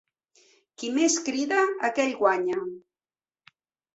Qui més crida, aquell guanya.